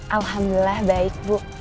alhamdulillah baik bu